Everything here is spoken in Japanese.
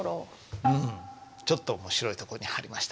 うんちょっと面白いとこに貼りました。